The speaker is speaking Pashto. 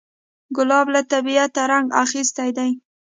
ګلاب له طبیعته رنګ اخیستی دی.